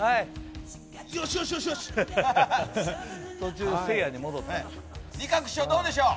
よしよし。